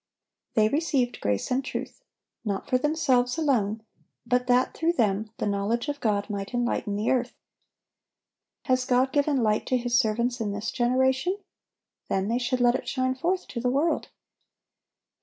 They received grace and truth, not for themselves alone, but that, through them, the knowledge of God might enlighten the earth. Has God given light to His servants in this generation? Then they should let it shine forth to the world.